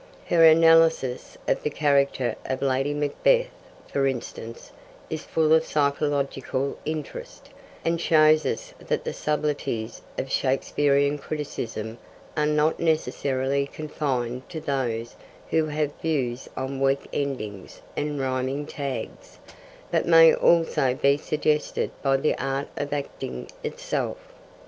Her analysis of the character of Lady Macbeth, for instance, is full of psychological interest, and shows us that the subtleties of Shakespearian criticism are not necessarily confined to those who have views on weak endings and rhyming tags, but may also be suggested by the art of acting itself.